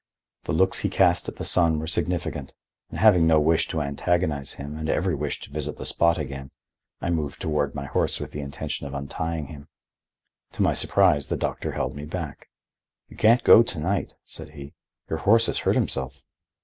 The looks he cast at the sun were significant, and, having no wish to antagonize him and every wish to visit the spot again, I moved toward my horse with the intention of untying him. To my surprise the doctor held me back. "You can't go to night," said he, "your horse has hurt himself."